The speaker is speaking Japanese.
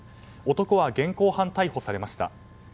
男は現行犯逮捕されました。